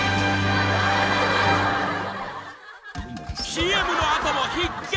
［ＣＭの後も必見！］